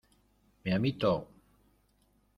¡ mi amito!